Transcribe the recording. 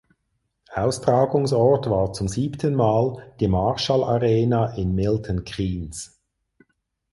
Austragungsort war zum siebten Mal die Marshall Arena in Milton Keynes.